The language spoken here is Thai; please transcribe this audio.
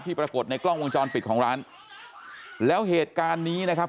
ปรากฏในกล้องวงจรปิดของร้านแล้วเหตุการณ์นี้นะครับ